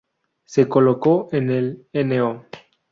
Se colocó en el no.